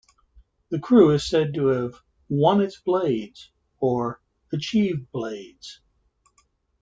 The crew is said to have "won its blades", or achieved "blades".